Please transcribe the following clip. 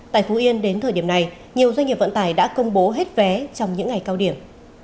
tại phú yên đến thời điểm này nhiều doanh nghiệp vận tải đã công bố hết vé trong những ngày cao điểm